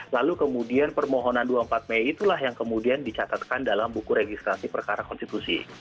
lalu kemudian permohonan dua puluh empat mei itulah yang kemudian dicatatkan dalam buku registrasi perkara konstitusi